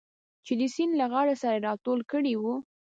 چې د سیند له غاړې سره یې راټول کړي و.